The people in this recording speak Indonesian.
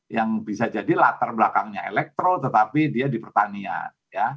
yang bisa jadi latar belakangnya elektro tetapi dia di pertanian